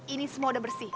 ini semua udah bersih